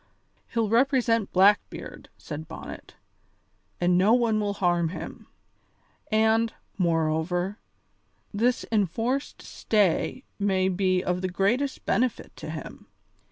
"He'll represent Blackbeard," said Bonnet, "and no one will harm him. And, moreover, this enforced stay may be of the greatest benefit to him.